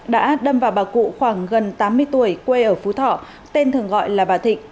đã đâm vào bà cụ khoảng gần tám mươi tuổi quê ở phú thọ tên thường gọi là bà thịnh